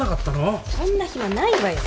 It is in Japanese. そんな暇ないわよ。